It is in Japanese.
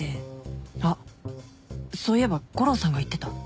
あっそういえば悟郎さんが言ってた